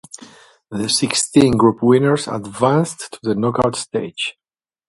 The sixteen group winners advanced to the knockout stage.